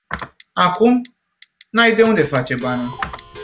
Acum, n-ai de unde face banul.